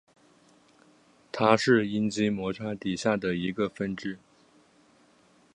它是阴茎摩擦底下的一个分支。